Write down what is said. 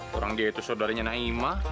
kurang lagi suadaranya naimah